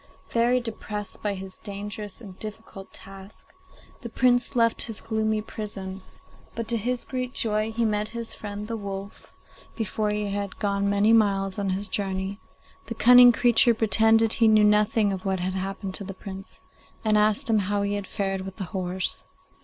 Very depressed by his dangerous and difficult task, the Prince left his gloomy prison; but, to his great joy, he met his friend the wolf before he had gone many miles on his journey. The cunning creature pretended he knew nothing of what had happened to the Prince, and asked him how he had fared with the horse.